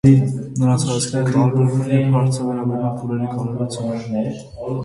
Նրանց հայացքները տարբերվում են, երբ հարցը վերաբերում է փուլերի կարևորությանը։